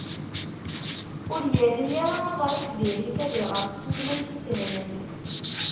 Ur yerri ara aḍris di rrif ad iɣer s tutlayt isehlen.